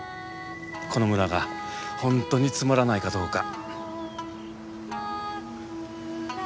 この村が本当につまらないかどうか。